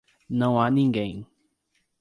Não há ninguém.